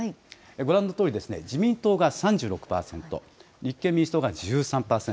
ご覧のとおり自民党が３６％、立憲民主党が１３％。